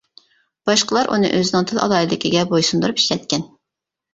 باشقىلار ئۇنى ئۆزىنىڭ تىل ئالاھىدىلىكىگە بويسۇندۇرۇپ ئىشلەتكەن.